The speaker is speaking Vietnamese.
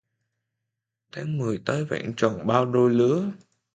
Tháng mười tới vẹn tròn bao đôi lứa